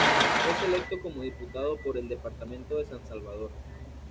Es electo como diputado por el Departamento de San Salvador.